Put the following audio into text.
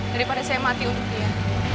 daripada saya mati untuk dia